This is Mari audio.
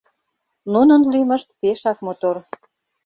— Нунын лӱмышт пешак мотор.